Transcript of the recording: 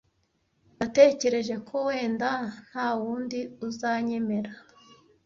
Natekereje ko wenda ntawundi uzanyemera.